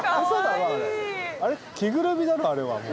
着ぐるみだろあれはもう。